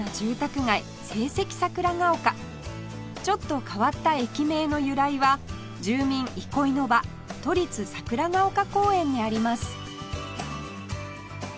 ちょっと変わった駅名の由来は住民憩いの場都立桜ヶ丘公園にあります